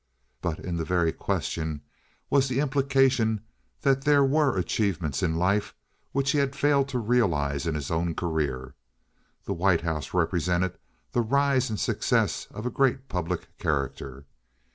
But in the very question was the implication that there were achievements in life which he had failed to realize in his own career. The White House represented the rise and success of a great public character.